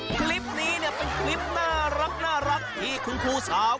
คลิปนี้เนี่ยเป็นคลิปน่ารักที่คุณครูสาว